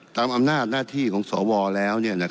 ตามอำนาจหน้าที่ของสวแล้ว